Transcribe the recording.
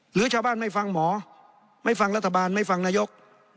หรือชาวบ้านไม่ฟังหมอไม่ฟังรัฐบาลไม่ฟังนายก